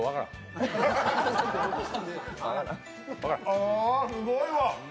あーすごいわ。